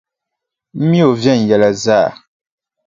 M mi o viɛnyɛla zaa.